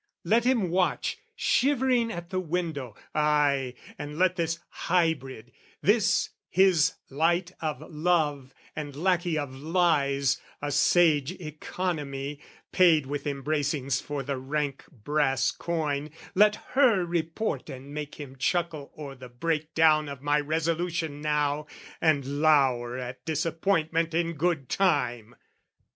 "Let him watch shivering at the window ay, "And let this hybrid, this his light of love "And lackey of lies, a sage economy, "Paid with embracings for the rank brass coin, "Let her report and make him chuckle o'er "The break down of my resolution now, "And lour at disappointment in good time!